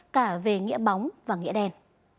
cả về nghĩa bóng và nghĩa đen